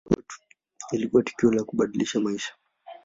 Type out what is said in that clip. Ilikuwa tukio la kubadilisha maisha.